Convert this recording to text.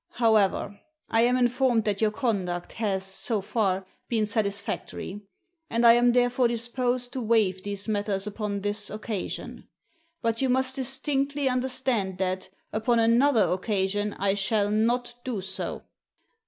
However, I am informed that your conduct has, so far, been satisfactory, and I am therefore disposed to waive these matters upon this occasion. But you must distinctly understand that, upon another occa sion, I shall not do so.